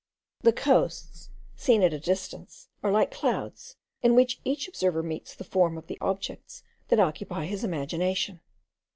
The coasts, seen at a distance, are like clouds, in which each observer meets the form of the objects that occupy his imagination.